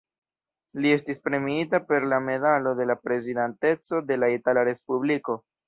Li estis premiita per la Medalo de la Prezidanteco de la Itala Respubliko.